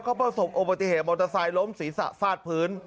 เขาประสบอุบัติเหตุมอเตอร์ไซค์ล้มศีรษะฟาดพื้น